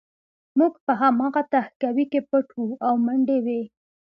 موږ په هماغه تهکوي کې پټ وو او منډې وې